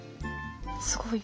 すごい。